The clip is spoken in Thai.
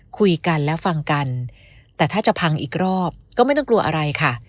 คุยกันและฟังกันแต่ถ้าจะพังอีกรอบก็ไม่ต้องกลัวอะไรค่ะ